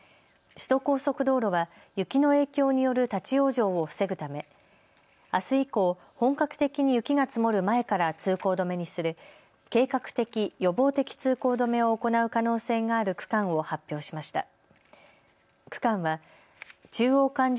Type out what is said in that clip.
首都高速道路は雪の影響による立往生を防ぐためあす以降、本格的に雪が積もる前から通行止めにする計画的・予防的通行止めを行う可能性がある区間を発表しました。